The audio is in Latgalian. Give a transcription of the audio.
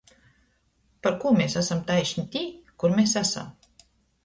Parkū mes asam taišni tī, kur mes asam?